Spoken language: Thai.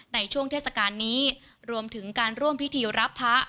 ในช่วงเทศกาลนี้รวมถึงการร่วมพิธีรับพระ